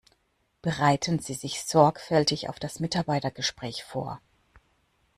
Bereiten Sie sich sorgfältig auf das Mitarbeitergespräch vor!